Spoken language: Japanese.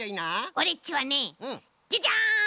オレっちはねジャジャン！